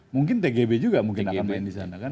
mungkin tgb juga mungkin akan main disana kan